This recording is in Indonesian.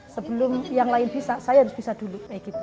sebelum yang lain bisa saya harus bisa dulu